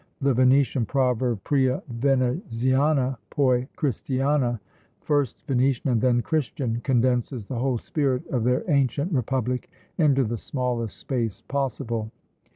The Venetian proverb, Pria Veneziana, poi Christiane: "First Venetian, and then Christian!" condenses the whole spirit of their ancient Republic into the smallest space possible.